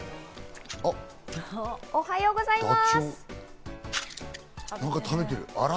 おはようございます。